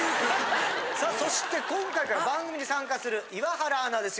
そして、今回から番組に参加する、岩原アナです。